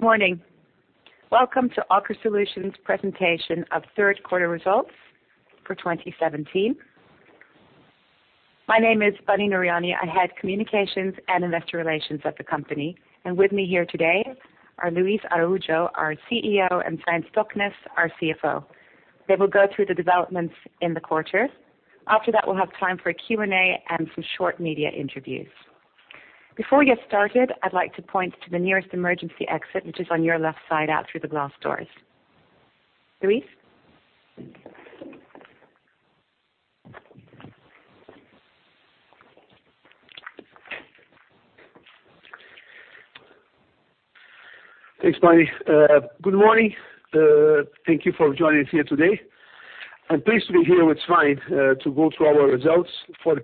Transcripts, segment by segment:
Good morning. Welcome to Aker Solutions Presentation of Third Quarter Results for 2017. My name is Bunny Nooryani. I head Communications and Investor Relations at the company, and with me here today are Luis Araujo, our CEO, and Svein Oskar Stoknes, our CFO. They will go through the developments in the quarter. After that, we'll have time for a Q&A and some short media interviews. Before we get started, I'd like to point to the nearest emergency exit, which is on your left side out through the glass doors. Luis? Thanks, Bunny. Good morning. Thank you for joining us here today. I'm pleased to be here with Svein, to go through our results for the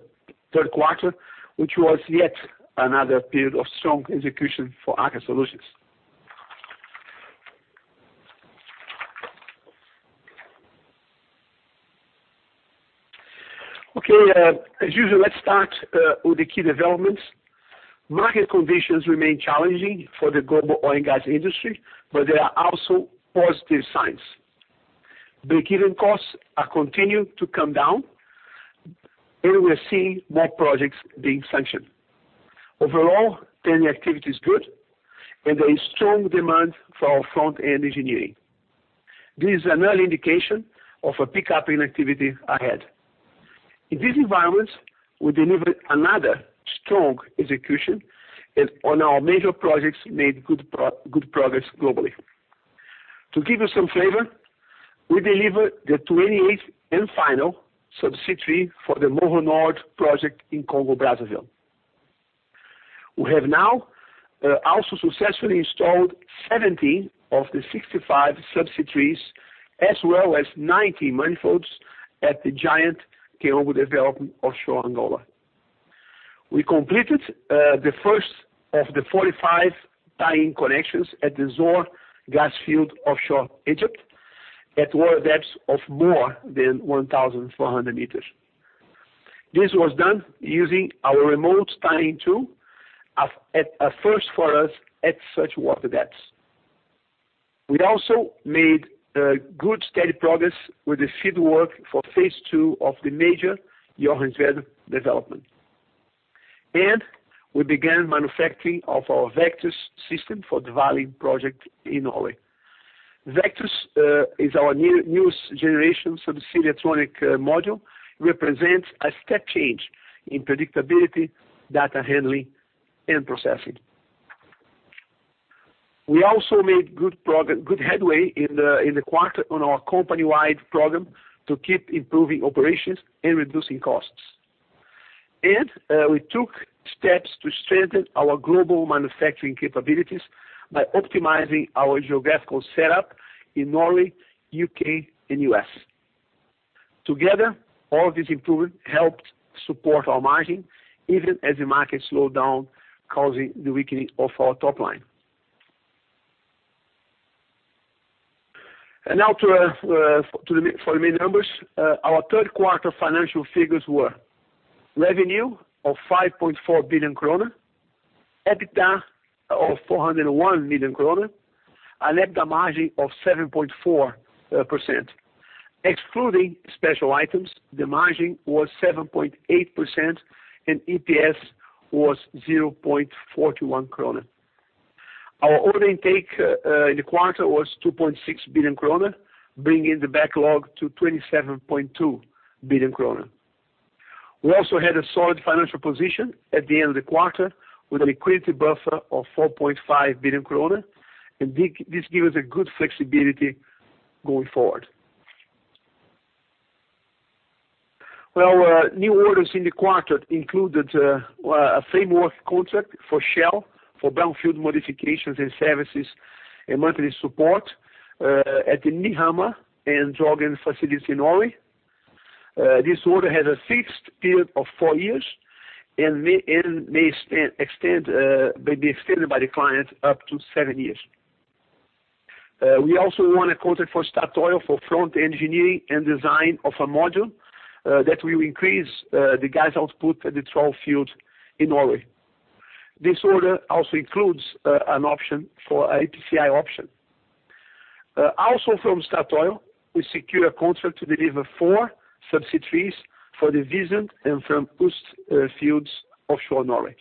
third quarter, which was yet another period of strong execution for Aker Solutions. As usual, let's start with the key developments. Market conditions remain challenging for the global oil and gas industry. There are also positive signs. Break-even costs are continuing to come down. We are seeing more projects being sanctioned. Overall, energy activity is good. There is strong demand for our front-end engineering. This is an early indication of a pickup in activity ahead. In this environment, we delivered another strong execution and on our major projects made good progress globally. To give you some flavor, we delivered the 28th and final subsea tree for the Moho Nord project in Congo-Brazzaville. We have now also successfully installed 17 of the 65 subsea trees, as well as 19 manifolds at the giant Kaombo development offshore Angola. We completed the first of the 45 tie-in connections at the Zohr gas field offshore Egypt at water depths of more than 1,400 meters. This was done using our remote tie-in tool at a first for us at such water depths. We also made good steady progress with the field work for phase II of the major Johan Sverdrup development. We began manufacturing of our Vectus system for the Valhall project in Norway. Vectus is our newest generation subsea electronic module, represents a step change in predictability, data handling, and processing. We also made good headway in the quarter on our company-wide program to keep improving operations and reducing costs. We took steps to strengthen our global manufacturing capabilities by optimizing our geographical setup in Norway, U.K., and U.S. Together, all of this improvement helped support our margin, even as the market slowed down, causing the weakening of our top line. Now for the main numbers. Our third quarter financial figures were: revenue of 5.4 billion kroner, EBITDA of 401 million kroner, an EBITDA margin of 7.4%. Excluding special items, the margin was 7.8%, and EPS was 0.41 krone. Our order intake in the quarter was 2.6 billion krone, bringing the backlog to 27.2 billion krone. We also had a solid financial position at the end of the quarter with a liquidity buffer of 4.5 billion kroner, and this gives us a good flexibility going forward. Well, new orders in the quarter included a framework contract for Shell for brownfield modifications and services and monthly support at the Nyhamna and Draugen facilities in Norway. This order has a fixed period of four years and may extend, may be extended by the client up to seven years. We also won a contract for Statoil for front engineering and design of a module that will increase the gas output at the Troll field in Norway. This order also includes an option for EPCI option. Also from Statoil, we secure a contract to deliver four subsea trees for the Visund and Fram Øst fields offshore Norway.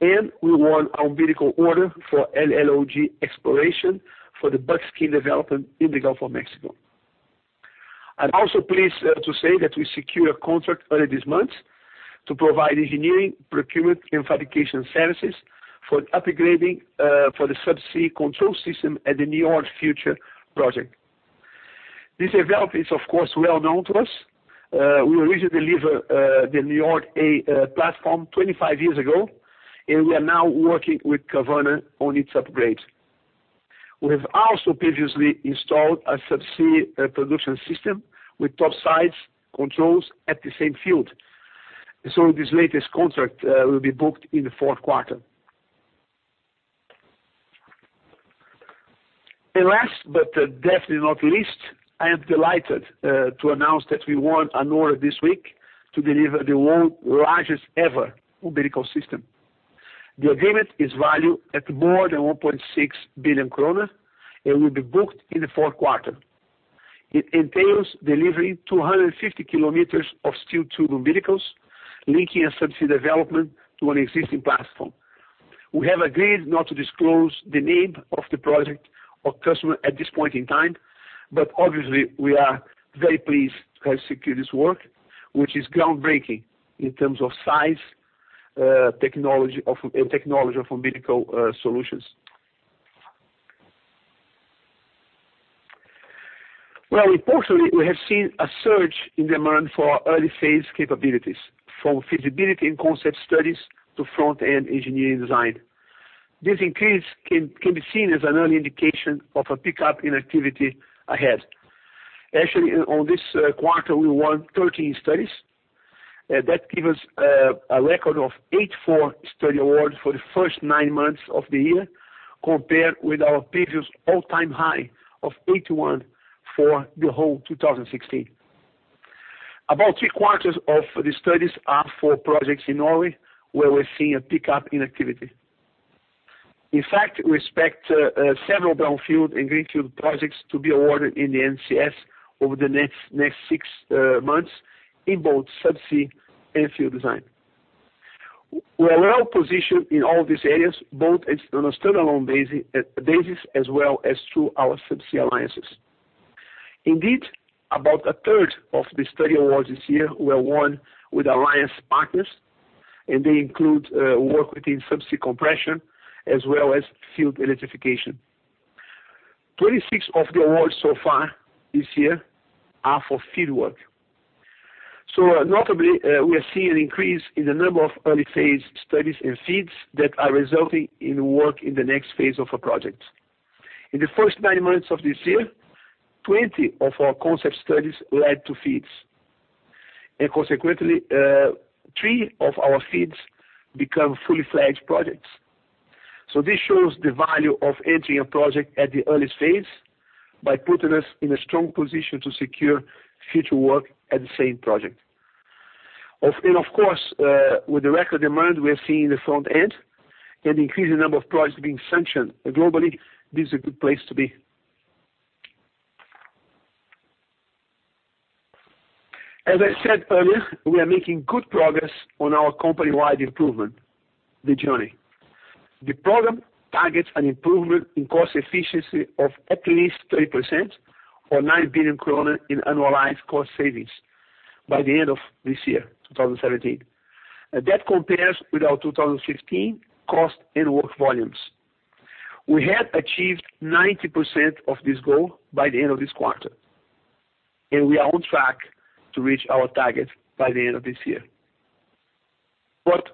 We won an umbilical order for LLOG Exploration for the Buckskin development in the Gulf of Mexico. I'm also pleased to say that we secured a contract early this month to provide engineering, procurement, and fabrication services for upgrading for the subsea control system at the Njord Future project. This development is, of course, well known to us. We originally deliver the Njord A platform 25 years ago, and we are now working with Kvaerner on its upgrade. We have also previously installed a subsea production system with top sides controls at the same field. This latest contract will be booked in the fourth quarter. Last but definitely not least, I am delighted to announce that we won an order this week to deliver the world largest ever umbilical system. The agreement is valued at more than 1.6 billion kroner and will be booked in the fourth quarter. It entails delivering 250 km of steel-tube umbilicals linking a subsea development to an existing platform. We have agreed not to disclose the name of the project or customer at this point in time, but obviously, we are very pleased to have secured this work, which is groundbreaking in terms of size, in technology of umbilical solutions. Well, importantly, we have seen a surge in demand for our early-phase capabilities, from feasibility and concept studies to front-end engineering design. This increase can be seen as an early indication of a pickup in activity ahead. Actually, on this quarter, we won 13 studies. That give us a record of 84 study awards for the first nine months of the year, compared with our previous all-time high of 81 for the whole 2016. About three-quarters of the studies are for projects in Norway, where we're seeing a pickup in activity. In fact, we expect several brownfield and greenfield projects to be awarded in the NCS over the next six months in both subsea and field design. We're well-positioned in all these areas, both as on a standalone basis as well as through our subsea alliances. Indeed, about 1/3 of the study awards this year were won with alliance partners. They include work within subsea compression as well as field electrification. 26 of the awards so far this year are for FEED work. Notably, we are seeing an increase in the number of early-phase studies and FEEDs that are resulting in work in the next phase of a project. In the first nine months of this year, 20 of our concept studies led to FEEDs. Consequently, three of our FEEDs become fully fledged projects. This shows the value of entering a project at the early stage by putting us in a strong position to secure future work at the same project. Of course, with the record demand we are seeing in the front end and increasing number of projects being sanctioned globally, this is a good place to be. As I said earlier, we are making good progress on our company-wide improvement journey. The program targets an improvement in cost efficiency of at least 30% or 9 billion kroner in annualized cost savings by the end of this year, 2017. That compares with our 2015 cost and work volumes. We have achieved 90% of this goal by the end of this quarter, and we are on track to reach our target by the end of this year.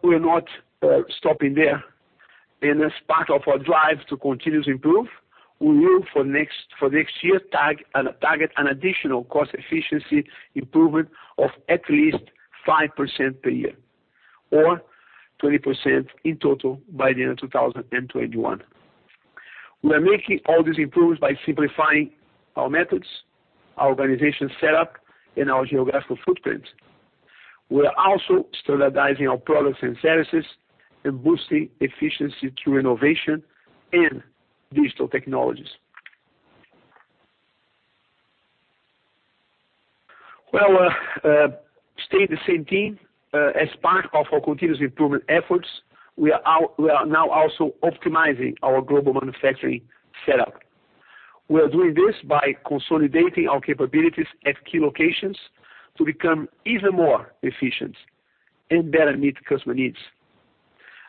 We're not stopping there. As part of our drive to continuously improve, we will for next year target an additional cost efficiency improvement of at least 5% per year or 20% in total by the end of 2021. We are making all these improvements by simplifying our methods, our organization setup, and our geographical footprint. We are also standardizing our products and services and boosting efficiency through innovation and digital technologies. To stay the same theme, as part of our continuous improvement efforts, we are now also optimizing our global manufacturing setup. We are doing this by consolidating our capabilities at key locations to become even more efficient and better meet customer needs.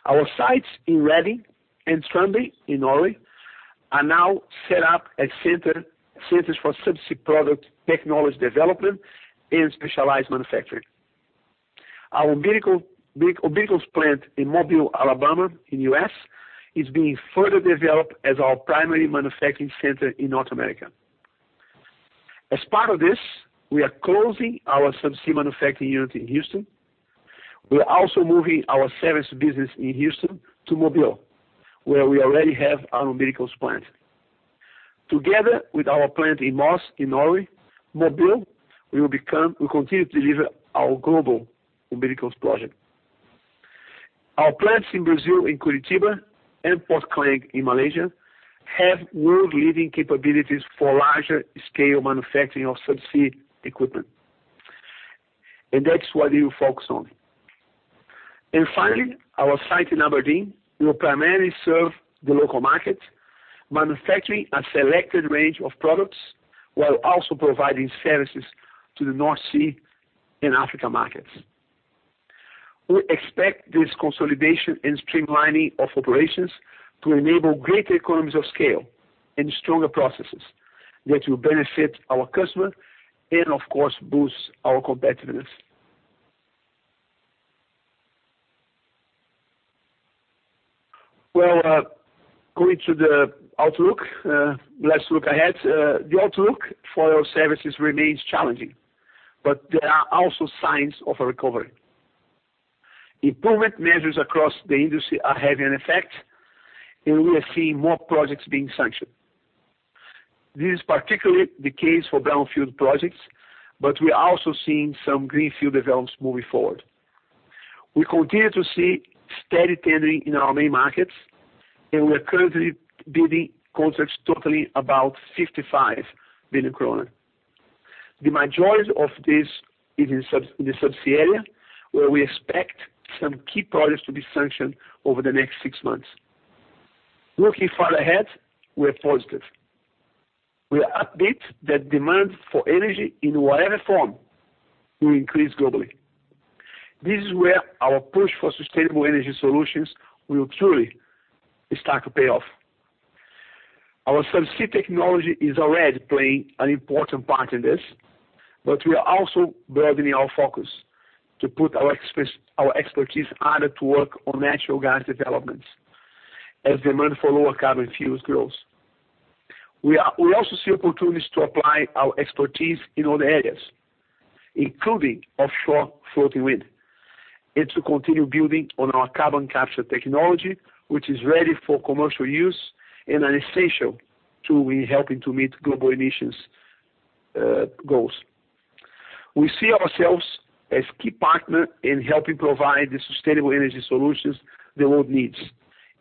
Our sites in Reading and Tranby in Norway are now set up as centers for subsea product technology development and specialized manufacturing. Our umbilicals plant in Mobile, Alabama, in U.S., is being further developed as our primary manufacturing center in North America. Part of this, we are closing our subsea manufacturing unit in Houston. We are also moving our service business in Houston to Mobile, where we already have our umbilicals plant. Together with our plant in Moss in Norway, Mobile will continue to deliver our global umbilicals project. Our plants in Brazil, in Curitiba, and Port Klang in Malaysia have world-leading capabilities for larger scale manufacturing of subsea equipment, that's what we will focus on. Finally, our site in Aberdeen will primarily serve the local market, manufacturing a selected range of products while also providing services to the North Sea and Africa markets. We expect this consolidation and streamlining of operations to enable greater economies of scale and stronger processes that will benefit our customer and of course, boost our competitiveness. Going to the outlook, let's look ahead. The outlook for our services remains challenging, but there are also signs of a recovery. Improvement measures across the industry are having an effect, we are seeing more projects being sanctioned. This is particularly the case for brownfield projects, we are also seeing some greenfield developments moving forward. We continue to see steady tendering in our main markets, we are currently bidding contracts totaling about NOK 55 billion. The majority of this is in the subsea area, where we expect some key projects to be sanctioned over the next six months. Looking far ahead, we're positive. We are upbeat that demand for energy in whatever form will increase globally. This is where our push for sustainable energy solutions will truly start to pay off. Our subsea technology is already playing an important part in this, but we are also broadening our focus to put our expertise harder to work on natural gas developments as demand for lower carbon fuels grows. We also see opportunities to apply our expertise in other areas, including offshore floating wind, and to continue building on our carbon capture technology, which is ready for commercial use and are essential to helping to meet global emissions goals. We see ourselves as key partner in helping provide the sustainable energy solutions the world needs,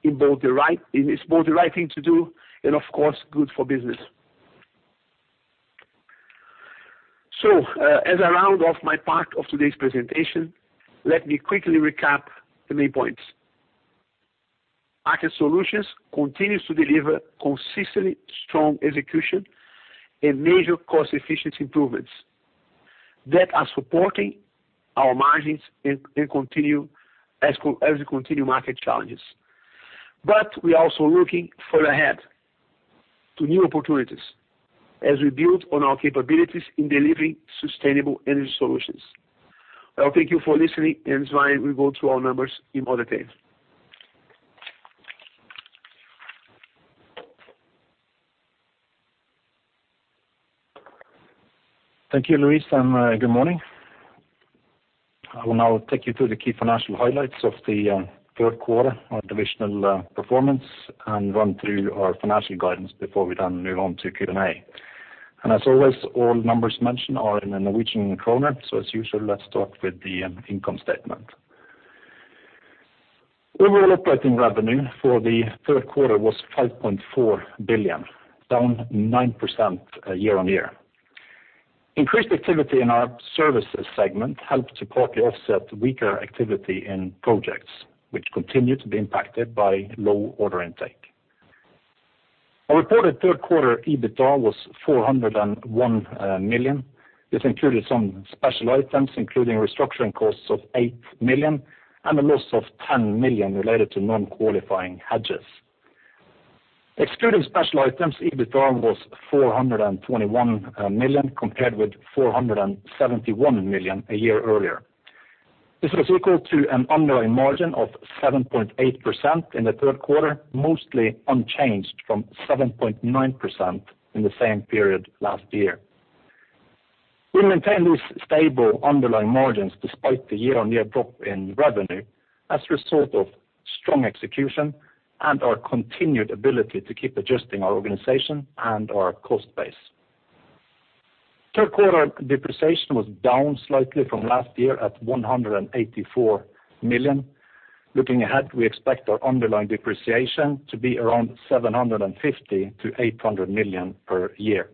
it's both the right thing to do and of course, good for business. As I round off my part of today's presentation, let me quickly recap the main points. Aker Solutions continues to deliver consistently strong execution and major cost efficiency improvements that are supporting our margins and continue as we continue market challenges. We are also looking further ahead to new opportunities as we build on our capabilities in delivering sustainable energy solutions. I'll thank you for listening, and Svein will go through our numbers in more detail. Thank you, Luis. Good morning. I will now take you through the key financial highlights of the third quarter, our divisional performance, and run through our financial guidance before we move on to Q&A. And as always, all numbers mentioned are in the Norwegian kroner. As usual, let's start with the income statement. Overall operating revenue for the third quarter was 5.4 billion, down 9% year-on-year. Increased activity in our Services segment helped to partly offset weaker activity in Projects, which continue to be impacted by low order intake. Our reported third quarter EBITDA was 401 million. This included some special items, including restructuring costs of 8 million and a loss of 10 million related to non-qualifying hedges. Excluding special items, EBITDA was 421 million compared with 471 million a year earlier. This was equal to an underlying margin of 7.8% in the third quarter, mostly unchanged from 7.9% in the same period last year. We maintain these stable underlying margins despite the year-on-year drop in revenue as a result of strong execution and our continued ability to keep adjusting our organization and our cost base. Third quarter depreciation was down slightly from last year at 184 million. Looking ahead, we expect our underlying depreciation to be around 750 million-800 million per year.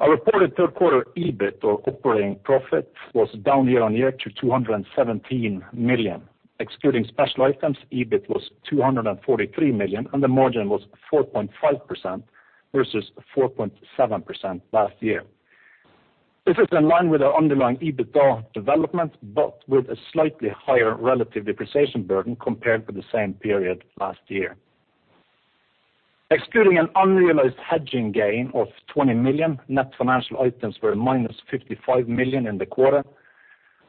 Our reported third quarter EBIT or operating profit was down year-on-year to 217 million. Excluding special items, EBIT was 243 million, the margin was 4.5% versus 4.7% last year. This is in line with our underlying EBITDA development, with a slightly higher relative depreciation burden compared with the same period last year. Excluding an unrealized hedging gain of 20 million, net financial items were -55 million in the quarter.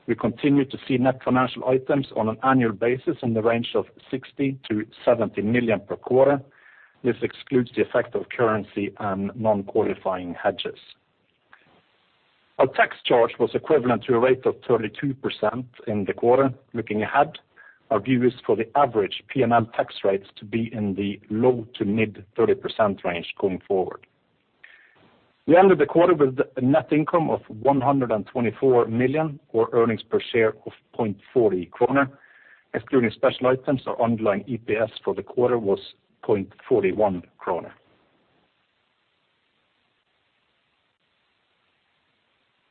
We continue to see net financial items on an annual basis in the range of 60 million-70 million per quarter. This excludes the effect of currency and non-qualifying hedges. Our tax charge was equivalent to a rate of 32% in the quarter. Looking ahead, our view is for the average P&L tax rates to be in the low to mid 30% range going forward. We ended the quarter with a net income of 124 million, or EPS of 0.40 kroner. Excluding special items, our underlying EPS for the quarter was 0.41 kroner.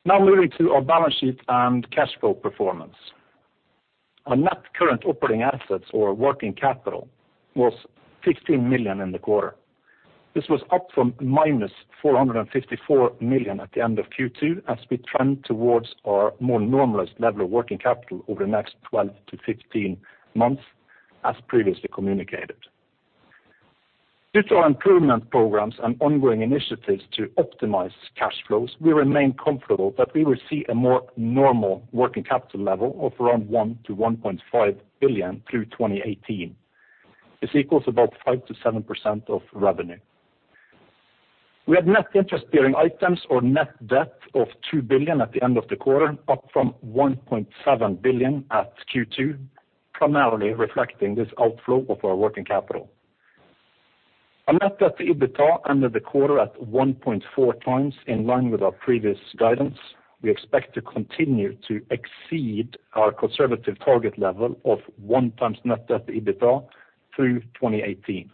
Moving to our balance sheet and cash flow performance. Our net current operating assets or working capital was 15 million in the quarter. This was up from -454 million at the end of Q2, as we trend towards our more normalized level of working capital over the next 12-15 months, as previously communicated. Due to our improvement programs and ongoing initiatives to optimize cash flows, we remain comfortable that we will see a more normal working capital level of around 1 billion-1.5 billion through 2018. This equals about 5%-7% of revenue. We had net interest bearing items or net debt of 2 billion at the end of the quarter, up from 1.7 billion at Q2, primarily reflecting this outflow of our working capital. Our net debt to EBITDA ended the quarter at 1.4x, in line with our previous guidance. We expect to continue to exceed our conservative target level of 1x net debt to EBITDA through 2018.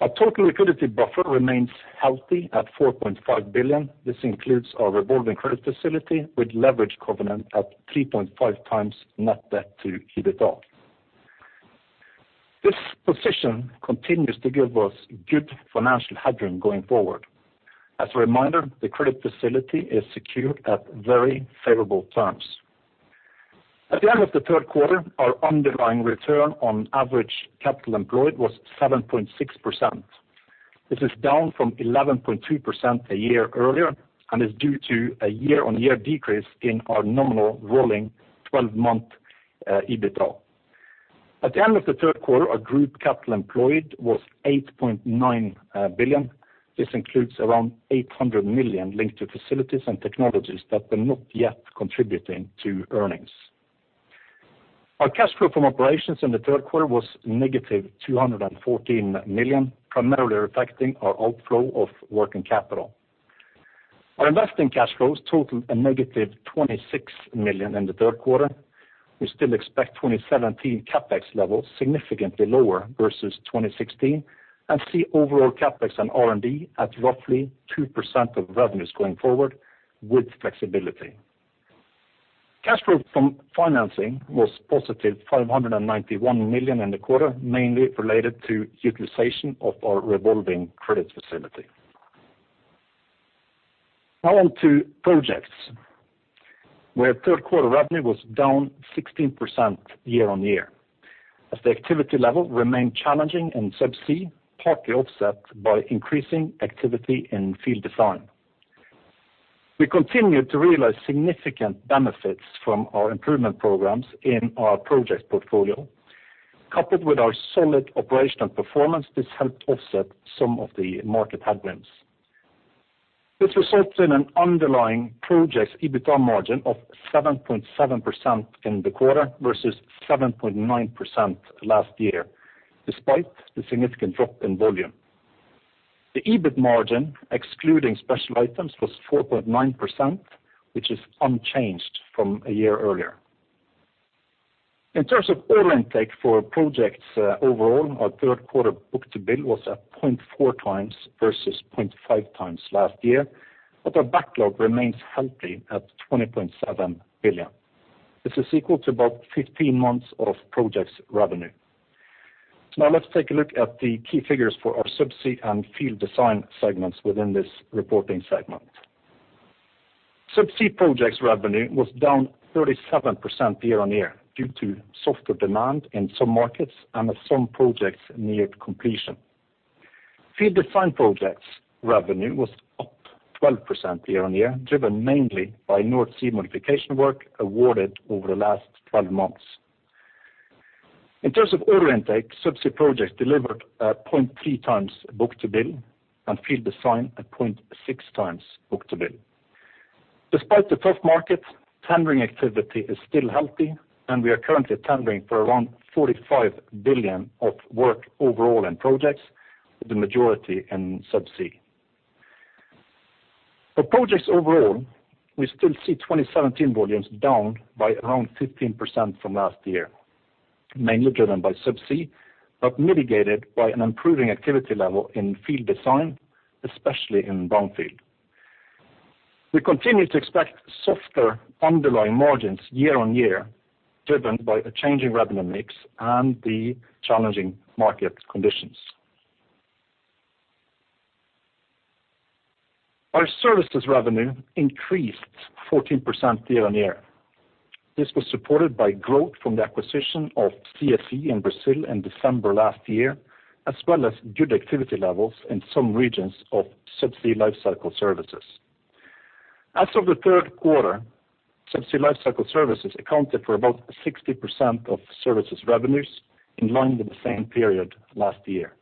Our total liquidity buffer remains healthy at 4.5 billion. This includes our revolving credit facility with leverage covenant at 3.5x net debt to EBITDA. This position continues to give us good financial headroom going forward. As a reminder, the credit facility is secured at very favorable terms. At the end of the third quarter, our underlying return on average capital employed was 7.6%. This is down from 11.2% a year earlier and is due to a year-on-year decrease in our nominal rolling 12-month EBITDA. At the end of the third quarter, our group capital employed was 8.9 billion. This includes around 800 million linked to facilities and technologies that are not yet contributing to earnings. Our cash flow from operations in the third quarter was -214 million, primarily reflecting our outflow of working capital. Our investing cash flows totaled a -26 million in the third quarter. We still expect 2017 CapEx levels significantly lower versus 2016 and see overall CapEx and R&D at roughly 2% of revenues going forward with flexibility. Cash flow from financing was +591 million in the quarter, mainly related to utilization of our revolving credit facility. On to projects, where third quarter revenue was down 16% year-on-year as the activity level remained challenging in subsea, partly offset by increasing activity in field design. We continued to realize significant benefits from our improvement programs in our project portfolio. Coupled with our solid operational performance, this helped offset some of the market headwinds. This results in an underlying project EBITDA margin of 7.7% in the quarter versus 7.9% last year, despite the significant drop in volume. The EBIT margin, excluding special items, was 4.9%, which is unchanged from a year earlier. In terms of order intake for projects overall, our third quarter book-to-bill was at 0.4x versus 0.5x last year. Our backlog remains healthy at 20.7 billion. This is equal to about 15 months of projects revenue. Let's take a look at the key figures for our Subsea and Field Design segments within this reporting segment. Subsea projects revenue was down 37% year-on-year due to softer demand in some markets and as some projects neared completion. Field Design projects revenue was up 12% year-on-year, driven mainly by North Sea modification work awarded over the last 12 months. In terms of order intake, Subsea projects delivered at 0.3x book-to-bill and Field Design at 0.6x book-to-bill. Despite the tough market, tendering activity is still healthy, and we are currently tendering for around 45 billion of work overall in projects, with the majority in Subsea. For projects overall, we still see 2017 volumes down by around 15% from last year, mainly driven by Subsea, but mitigated by an improving activity level in Field Design, especially in brownfield. We continue to expect softer underlying margins year on year, driven by a changing revenue mix and the challenging market conditions. Our Services revenue increased 14% year-on-year. This was supported by growth from the acquisition of CSE in Brazil in December last year, as well as good activity levels in some regions of Subsea Lifecycle Services. As of the third quarter, Subsea Lifecycle Services accounted for about 60% of services revenues, in line with the same period last year.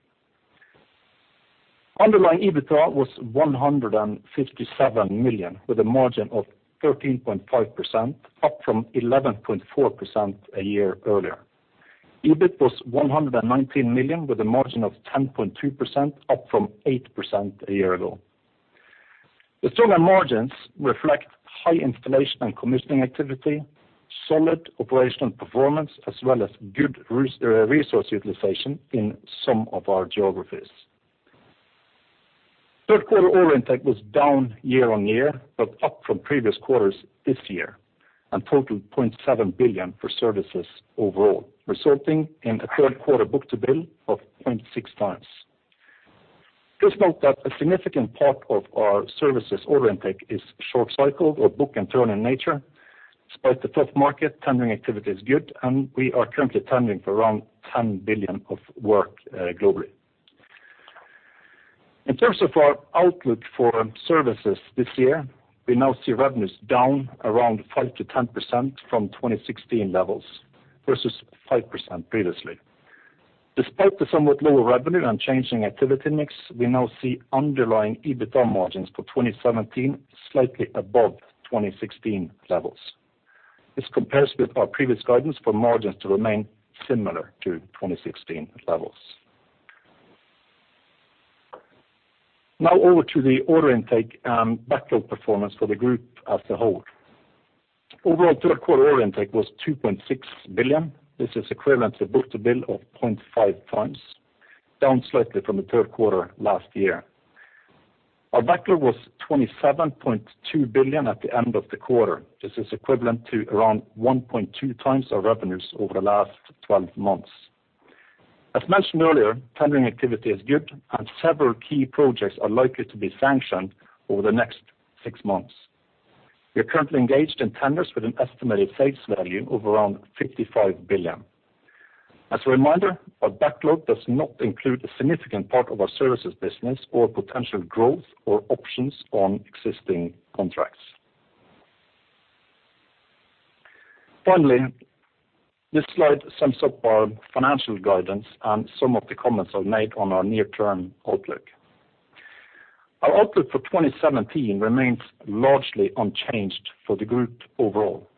Underlying EBITDA was 157 million, with a margin of 13.5%, up from 11.4% a year earlier. EBIT was 119 million, with a margin of 10.2%, up from 8% a year ago. The stronger margins reflect high installation and commissioning activity, solid operational performance, as well as good resource utilization in some of our geographies. Third quarter order intake was down year-on-year, but up from previous quarters this year, and totaled 0.7 billion for Services overall, resulting in a third quarter book-to-bill of 0.6x. Please note that a significant part of our Services order intake is short cycle or book-and-turn in nature. Despite the tough market, tendering activity is good, and we are currently tendering for around 10 billion of work globally. In terms of our outlook for Services this year, we now see revenues down around 5%-10% from 2016 levels. Versus 5% previously. Despite the somewhat lower revenue and changing activity mix, we now see underlying EBITDA margins for 2017 slightly above 2016 levels. This compares with our previous guidance for margins to remain similar to 2016 levels. Over to the order intake and backlog performance for the group as a whole. Overall third quarter order intake was 2.6 billion. This is equivalent to book-to-bill of 0.5x, down slightly from the third quarter last year. Our backlog was 27.2 billion at the end of the quarter. This is equivalent to around 1.2x our revenues over the last 12 months. As mentioned earlier, tendering activity is good, and several key projects are likely to be sanctioned over the next six months. We are currently engaged in tenders with an estimated face value of around 55 billion. As a reminder, our backlog does not include a significant part of our services business or potential growth or options on existing contracts. Finally, this slide sums up our financial guidance and some of the comments I made on our near-term outlook. Our outlook for 2017 remains largely unchanged for the group overall.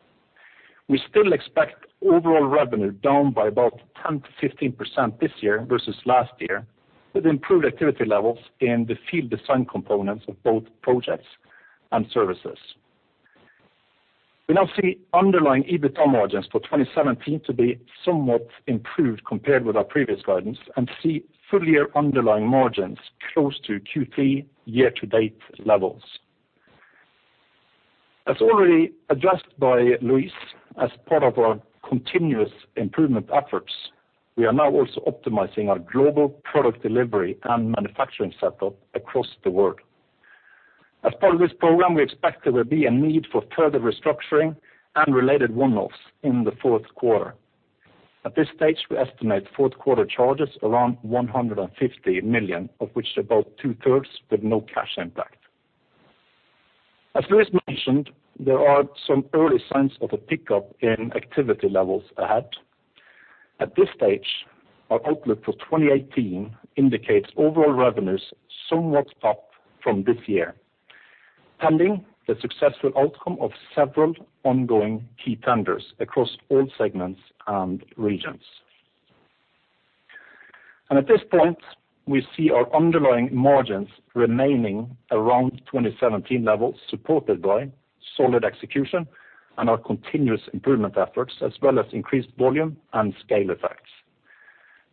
We still expect overall revenue down by about 10%-15% this year versus last year, with improved activity levels in the field design components of both projects and services. We now see underlying EBITDA margins for 2017 to be somewhat improved compared with our previous guidance, and see full year underlying margins close to Q3 year-to-date levels. As already addressed by Luis, as part of our continuous improvement efforts, we are now also optimizing our global product delivery and manufacturing setup across the world. As part of this program, we expect there will be a need for further restructuring and related one-offs in the fourth quarter. At this stage, we estimate fourth quarter charges around 150 million, of which about 2/3 with no cash impact. As Luis mentioned, there are some early signs of a pickup in activity levels ahead. At this stage, our outlook for 2018 indicates overall revenues somewhat up from this year, pending the successful outcome of several ongoing key tenders across all segments and regions. At this point, we see our underlying margins remaining around 2017 levels, supported by solid execution and our continuous improvement efforts, as well as increased volume and scale effects.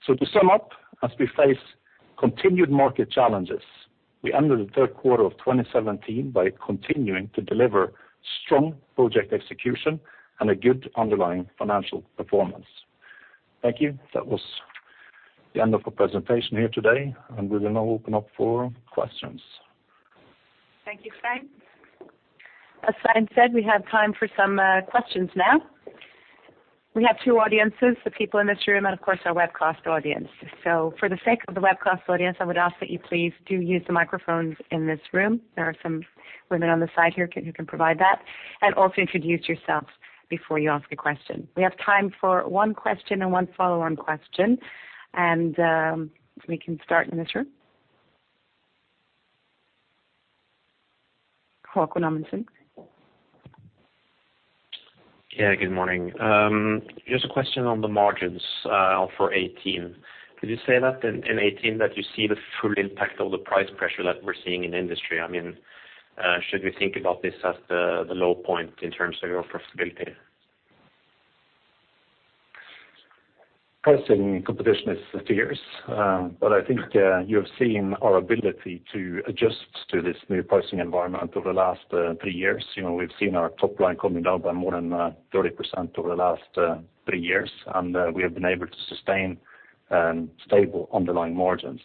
To sum up, as we face continued market challenges, we ended the third quarter of 2017 by continuing to deliver strong project execution and a good underlying financial performance. Thank you. That was the end of our presentation here today. We will now open up for questions. Thank you, Svein. As Svein said, we have time for some questions now. We have two audiences, the people in this room and of course our webcast audience. For the sake of the webcast audience, I would ask that you please do use the microphones in this room. There are some women on the side here who can provide that, and also introduce yourselves before you ask a question. We have time for one question and one follow-on question. We can start in this room. Haakon Amundsen. Good morning. Just a question on the margins for 2018. Did you say that in 2018 that you see the full impact of the price pressure that we're seeing in industry? Should we think about this as the low point in terms of your profitability? Pricing competition is fierce. I think you have seen our ability to adjust to this new pricing environment over the last three years. You know, we've seen our top line coming down by more than 30% over the last three years, and we have been able to sustain stable underlying margins.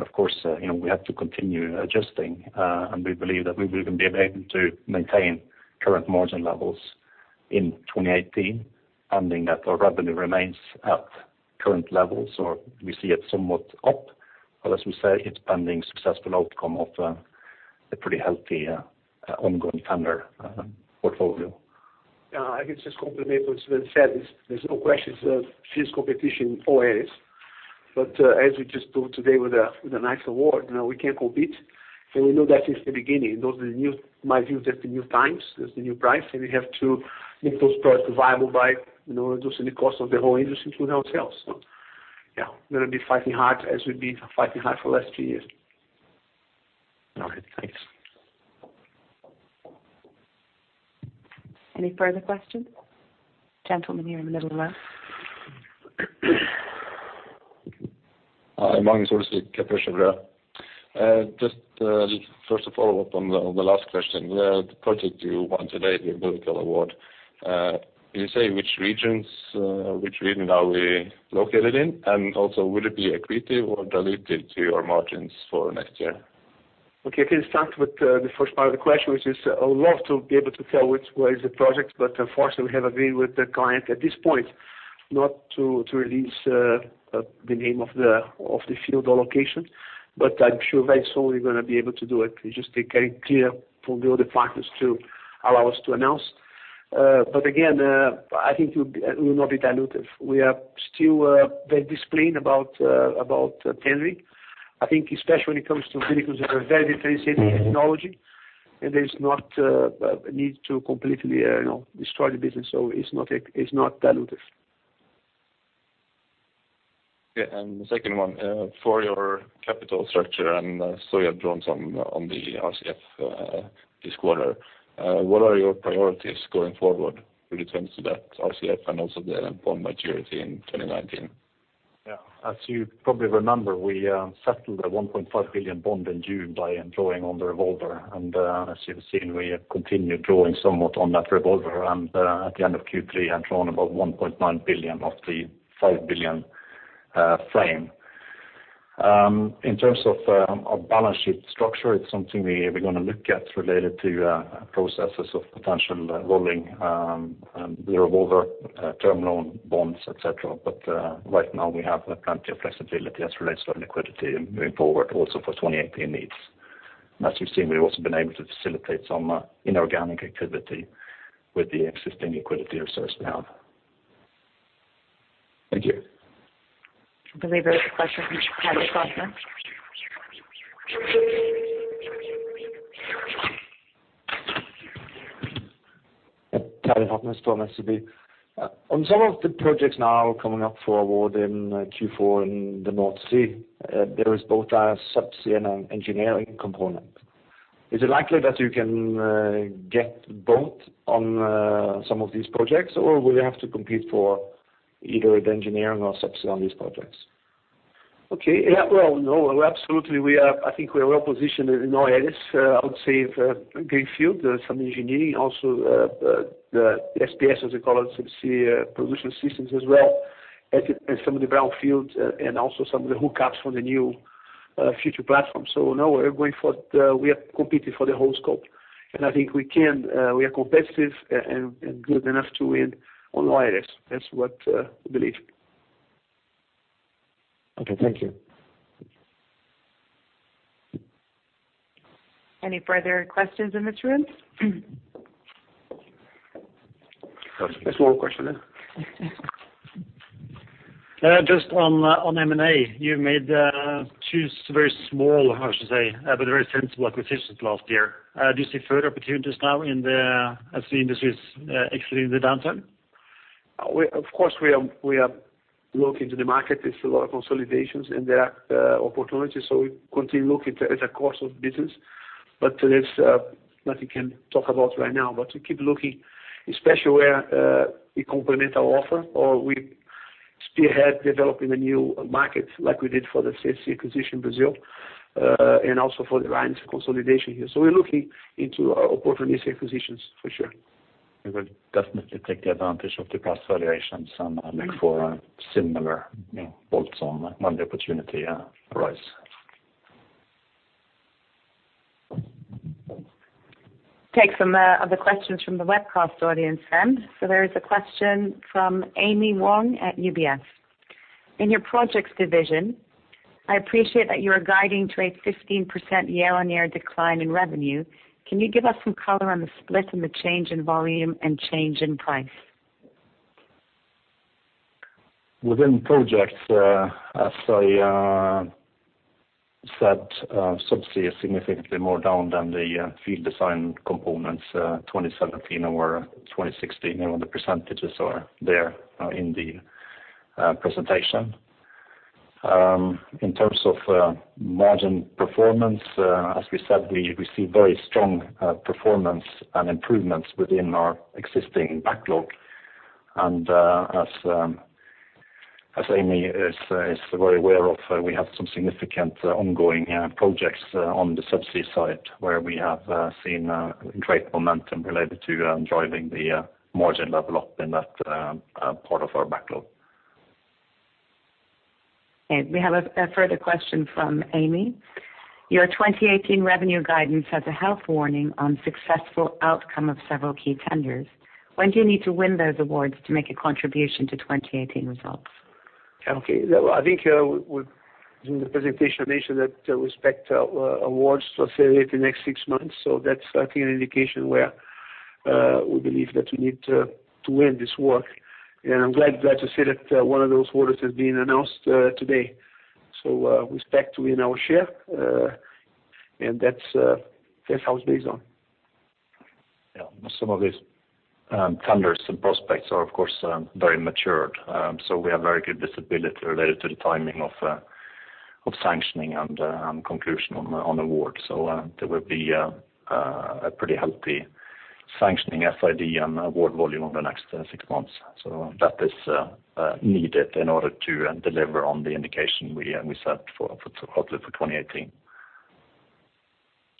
Of course, you know, we have to continue adjusting, and we believe that we will even be able to maintain current margin levels in 2018, pending that our revenue remains at current levels, or we see it somewhat up. As we say, it's pending successful outcome of a pretty healthy ongoing tender portfolio. I can just complement what Svein said. There's no question there's fierce competition always. As we just proved today with a nice award, you know, we can compete, and we know that since the beginning. Those are the new times, there's the new price, and we have to make those products viable by, you know, reducing the cost of the whole industry through ourselves. We're gonna be fighting hard as we've been fighting hard for the last two years. All right. Thanks. Any further questions? Gentleman here in the middle left. Hi, Magnus Olsvik, Kepler Cheuvreux. Just uh, first of all, a follow-up on the last question. The project you won today, the political award, can you say which region are we located in? Will it be accretive or dilutive to your margins for next year? Okay, I can start with the first part of the question, which is I would love to be able to tell which was the project, but unfortunately, we have agreed with the client at this point not to release the name of the field or location. I'm sure very soon we're gonna be able to do it. We just take getting clear from the other partners to allow us to announce. Again, I think it will be, it will not be dilutive. We are still very disciplined about tendering. I think especially when it comes to verticals that are very differentiated technology, and there is not a need to completely, you know, destroy the business, so it's not dilutive. Yeah. The second one, for your capital structure, and, so you have drawn some on the RCF, this quarter. What are your priorities going forward with regards to that RCF and also the bond maturity in 2019? Yeah. As you probably remember, we settled the 1.5 billion bond in June by drawing on the revolver. As you've seen, we have continued drawing somewhat on that revolver, and at the end of Q3 have drawn about 1.9 billion of the 5 billion frame. In terms of our balance sheet structure, it's something we're gonna look at related to processes of potential rolling the revolver, term loan, bonds, et cetera. Right now we have plenty of flexibility as relates to our liquidity and moving forward also for 28 PM needs. As you've seen, we've also been able to facilitate some inorganic activity with the existing liquidity reserves we have. Thank you. I believe there is a question from Terje Fatnes. Yeah, Terje Fatnes from SEB. Some of the projects now coming up for award in Q4 in the North Sea, there is both a subsea and an engineering component. Is it likely that you can get both on some of these projects? Will you have to compete for either the engineering or subsea on these projects? Okay. Yeah, well, no, absolutely we are I think we are well positioned in all areas, I would say the greenfield, some engineering also, the SPS, as we call it, Subsea Production Systems as well, in some of the brownfields and also some of the hookups for the new future platforms. No, we are competing for the whole scope. I think we can, we are competitive and good enough to win on the IRS. That's what we believe. Okay, thank you. Any further questions in this room? There's one more question then. Just on M&A, you made two very small, how should I say, but very sensible acquisitions last year. Do you see further opportunities now in the, as the industry is, actually in the downturn? Of course, we are looking to the market. There's a lot of consolidations and there are opportunities, so we continue looking at the course of business. There's nothing can talk about right now. We keep looking especially where we complement our offer or we spearhead developing a new market like we did for the subsea acquisition Brazil, and also for the lines consolidation here. We're looking into opportunistic acquisitions for sure. We will definitely take the advantage of the price variations and, look for, similar, you know, bolts-on when the opportunity, arise. Take some of the questions from the webcast audience then. There is a question from Amy Wong at UBS. In your projects division, I appreciate that you are guiding to a 15% year-on-year decline in revenue. Can you give us some color on the split and the change in volume and change in price? Within projects, as I said, Subsea is significantly more down than the field design components, 2017 or 2016, and the percentages are there in the presentation. In terms of margin performance, as we said, we see very strong performance and improvements within our existing backlog. As Amy is very aware of, we have some significant ongoing projects on the Subsea side, where we have seen great momentum related to driving the margin level up in that part of our backlog. Okay. We have a further question from Amy. Your 2018 revenue guidance has a health warning on successful outcome of several key tenders. When do you need to win those awards to make a contribution to 2018 results? Okay. Well, I think, we, during the presentation mentioned that we expect awards to accelerate the next six months. That's I think an indication where we believe that we need to win this work. And I'm glad to say that one of those awards has been announced today. We expect to win our share, and that's how it's based on. Yeah. Some of these, tenders and prospects are of course, very matured. We have very good visibility related to the timing of, sanctioning and, conclusion on award. There will be, a pretty healthy sanctioning FID and award volume over the next, six months. That is, needed in order to, deliver on the indication we set for, hopefully for 2018.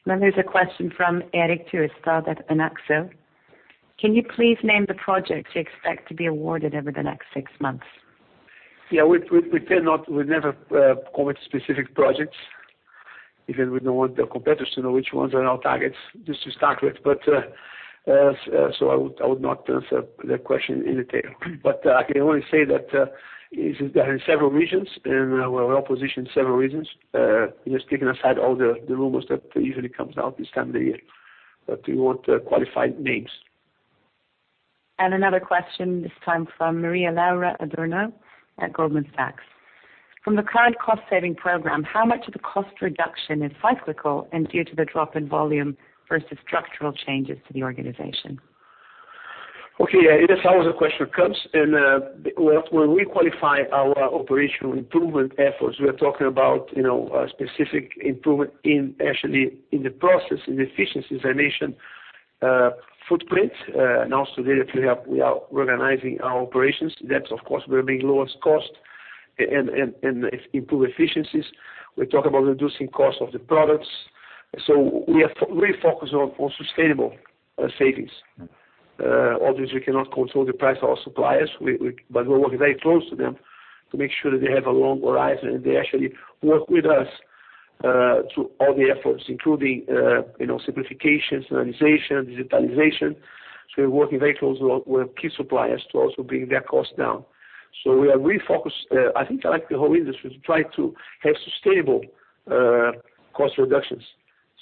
There's a question from Eirik Tørstad at DNB. Can you please name the projects you expect to be awarded over the next six months? Yeah. We cannot, we never comment specific projects, even we don't want the competitors to know which ones are our targets just to start with. I would not answer that question in detail. I can only say that is that in several regions and we're well positioned in several regions. Just keeping aside all the rumors that usually comes out this time of the year that we want qualified names. Another question, this time from Maria Laura Adornato at Goldman Sachs. From the current cost-saving program, how much of the cost reduction is cyclical and due to the drop in volume versus structural changes to the organization? Okay. Yeah, it is always a question comes and, well, when we qualify our operational improvement efforts, we are talking about, you know, a specific improvement in actually in the process, in the efficiencies I mentioned, footprint announced today that we are organizing our operations. That of course will be lowest cost and improve efficiencies. We talk about reducing costs of the products. We have really focused on sustainable savings. Obviously, we cannot control the price of our suppliers. We're working very close to them to make sure that they have a long horizon, and they actually work with us through all the efforts, including, you know, simplifications, standardization, digitalization. We're working very close with key suppliers to also bring their costs down. We are refocused. I think like the whole industry, to try to have sustainable cost reductions.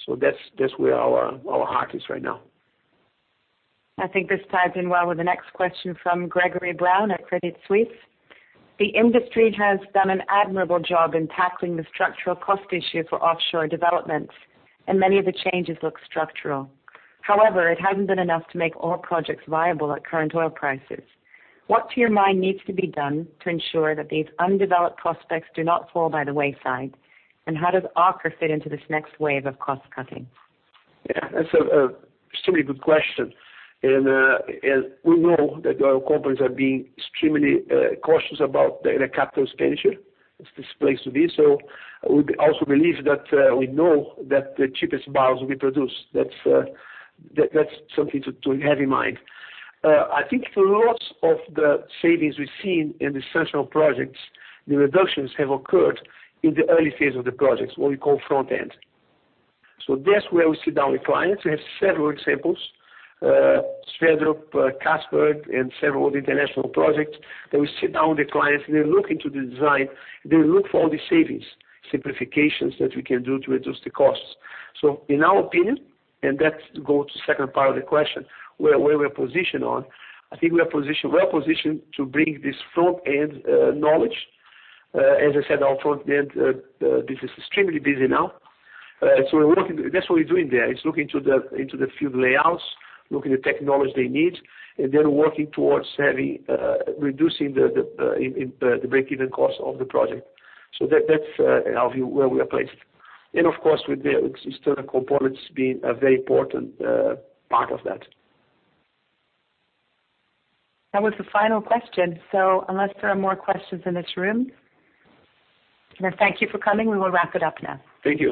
That's where our heart is right now. I think this ties in well with the next question from Gregory Brown at Credit Suisse. The industry has done an admirable job in tackling the structural cost issue for offshore developments, and many of the changes look structural. However, it hasn't been enough to make all projects viable at current oil prices. What, to your mind, needs to be done to ensure that these undeveloped prospects do not fall by the wayside? How does Aker fit into this next wave of cost cutting? Yeah, that's a extremely good question. We know that oil companies are being extremely cautious about the capital expenditure, as this place to be. We also believe that we know that the cheapest barrels will be produced. That's something to have in mind. I think for lots of the savings we've seen in the central projects, the reductions have occurred in the early phase of the projects, what we call front end. That's where we sit down with clients. We have several examples, Sverdrup, Castberg, and several other international projects that we sit down with the clients and they look into the design, they look for all the savings, simplifications that we can do to reduce the costs. In our opinion, and that go to second part of the question, where we're positioned on, I think we are positioned to bring this front end knowledge. As I said, our front end business is extremely busy now. That's what we're doing there. It's looking into the field layouts, looking at technology they need, and then working towards having reducing the break even cost of the project. That's in our view, where we are placed. Of course, with the external components being a very important part of that. That was the final question. Unless there are more questions in this room. Thank you for coming. We will wrap it up now. Thank you.